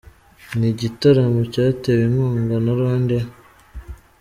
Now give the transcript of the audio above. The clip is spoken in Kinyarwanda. Ni igitaramo cyatewe inkunga na Rwandair.